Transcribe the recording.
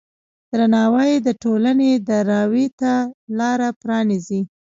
درناوی د ټولنې د راوي ته لاره پرانیزي.